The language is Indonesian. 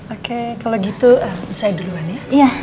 oke kalau gitu misalnya duluan ya